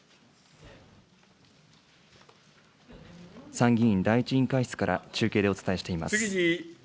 参議院第１委員会室から中継でお伝えしています。